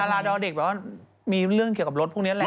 ลาดอเด็กแบบว่ามีเรื่องเกี่ยวกับรถพวกนี้แหละ